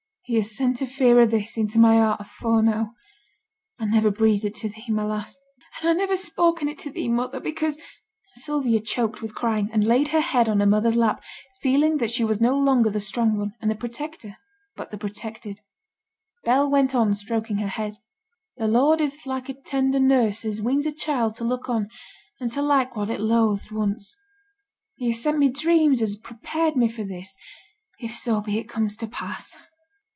'He has sent a fear o' this into my heart afore now. I niver breathed it to thee, my lass ' 'And I niver spoke on it to thee, mother, because ' Sylvia choked with crying, and laid her head on her mother's lap, feeling that she was no longer the strong one, and the protector, but the protected. Bell went on, stroking her head, 'The Lord is like a tender nurse as weans a child to look on and to like what it lothed once. He has sent me dreams as has prepared me for this, if so be it comes to pass.